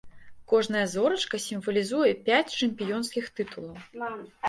Кожная зорачка сімвалізуе пяць чэмпіёнскіх тытулаў.